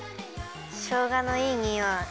しょうがのいいにおい。